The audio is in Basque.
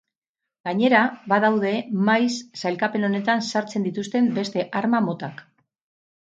Gainera, badaude maiz sailkapen honetan sartzen dituzten beste arma motak.